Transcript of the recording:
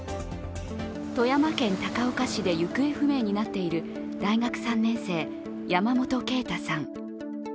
富山県高岡市で行方不明になっている大学３年生、山本啓太さん。